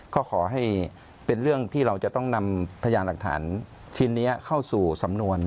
ก็ขอให้เป็นเรื่องที่เราจะต้องนำพยานหลักฐานชิ้นนี้เข้าสู่สำนวน